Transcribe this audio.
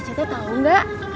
cici tau gak